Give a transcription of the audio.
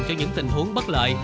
cho những tình huống bất lợi